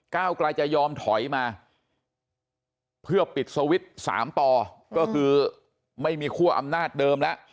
ก้าวไกลจะยอมถอยมาเพื่อปิดสวิตช์๓ปก็คือไม่มีคั่วอำนาจเดิมแล้ว